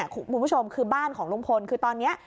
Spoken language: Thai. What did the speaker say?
คุณผู้ชมคือบ้านของลุงพลคือตอนนี้